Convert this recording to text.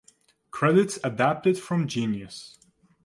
Cerdits adapted from Genius.